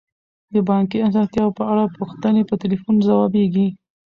د بانکي اسانتیاوو په اړه پوښتنې په تلیفون ځوابیږي.